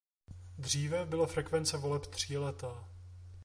Dříve byla frekvence voleb tříletá.